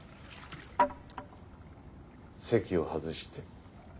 席を外して。